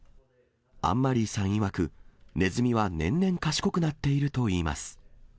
アンマリーさんいわく、ネズミは年々、賢くなっているといいます。